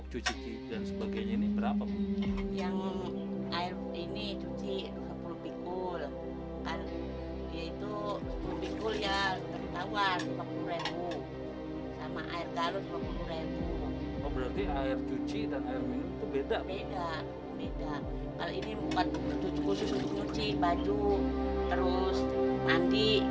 kadang mandi gak kalah air minum siram pakai air ledeng